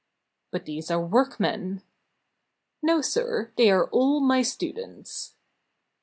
"But these are workmen " "No, sir; they are all my students!